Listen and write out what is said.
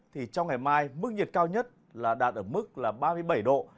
thì trong ngày mai mức nhiệt cao nhất là đạt ở mức là ba mươi bảy độ